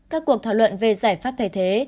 các cuộc thảo luận về giải pháp thay thế